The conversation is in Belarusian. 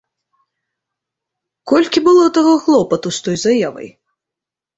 Колькі было таго клопату з той заявай!